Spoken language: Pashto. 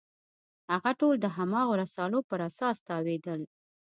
هغه ټول د هماغو رسالو پر اساس تاویلېدل.